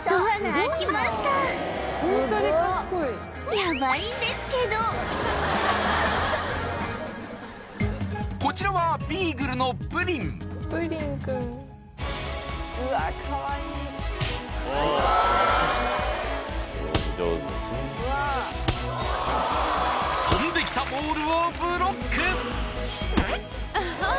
ヤバいんですけどこちらは飛んできたボールをブロック！